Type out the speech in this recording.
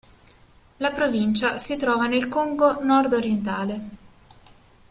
La provincia si trova nel Congo nord-orientale.